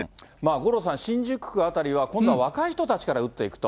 五郎さん、新宿区辺りは、今度は若い人たちから打っていくと。